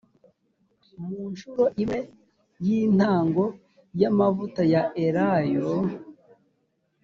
mu ncuro imwe y intango y amavuta ya elayo